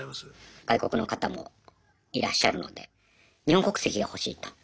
外国の方もいらっしゃるので日本国籍が欲しいと。